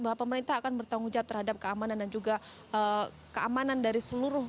bahwa pemerintah akan bertanggung jawab terhadap keamanan dan juga keamanan dari seluruh